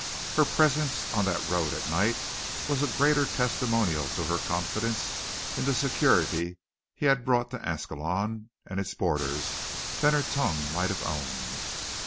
Her presence on that road at night was a greater testimonial to her confidence in the security he had brought to Ascalon and its borders than her tongue might have owned.